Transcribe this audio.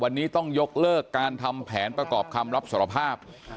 วันนี้ต้องยกเลิกการทำแผนประกอบคำรับสารภาพ